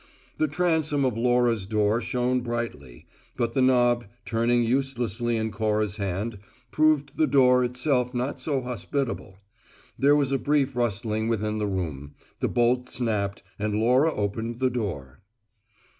The transom of Laura's door shone brightly; but the knob, turning uselessly in Cora's hand, proved the door itself not so hospitable. There was a brief rustling within the room; the bolt snapped, and Laura opened the door.